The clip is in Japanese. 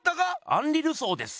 アンリ・ルソーです。